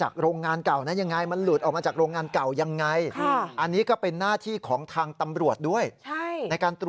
ต้องตรวจเป็นระยะเพื่อติดตามผล